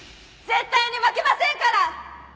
絶対に負けませんから